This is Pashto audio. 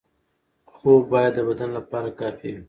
خواب باید د بدن لپاره کافي وي.